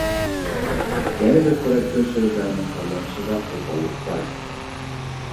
يەنە بىر تەرەپتىن سۆزلەرنىڭ تاللىنىشىدا قوپاللىق بار.